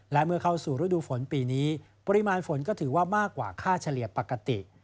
และเมื่อเข้าสู่ฤดูฝนปีนี้ปริมาณฝนก็ถือว่ามากกว่าค่าเฉลี่ยปกติ